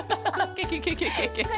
ケケケケケケケ。